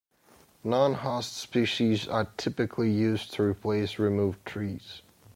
Non-host species are typically used to replace removed trees.